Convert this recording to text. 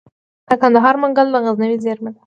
د کندهار منگل د غزنوي زیرمه ده